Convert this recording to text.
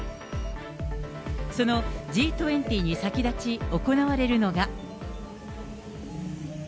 そのＧ２０に先立ち行われるのが。